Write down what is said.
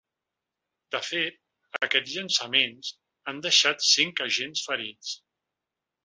De fet, aquests llançaments ha deixat cinc agents ferits.